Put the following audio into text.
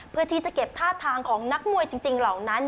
เพื่อที่จะเก็บท่าทางของนักมวยจริงเหล่านั้น